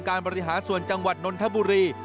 บริหารส่วนจังหวัดนนทบุรี